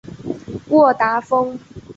沃达丰